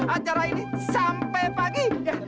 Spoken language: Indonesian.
acara ini sampai pagi